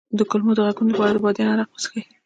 د کولمو د غږونو لپاره د بادیان عرق وڅښئ